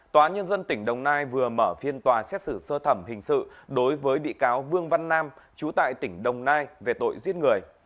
tòa nhân dân tỉnh đồng nai vừa mở phiên tòa xét xử sơ thẩm hình sự đối với bị cáo vương văn nam trú tại tỉnh đồng nai về tội giết người